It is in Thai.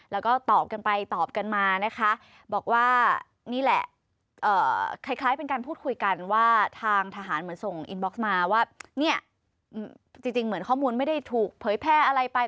แล้วก็ตอบกันไปตอบกันมานะคะบอกว่านี่แหละคล้ายเป็นการพูดคุยกันว่าทางทหารเหมือนส่งอินบ็อกซ์มาว่าเนี่ยจริงเหมือนข้อมูลไม่ได้ถูกเผยแพร่อะไรไป